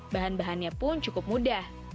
bahan bahannya pun cukup mudah